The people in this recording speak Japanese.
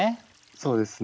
そうですね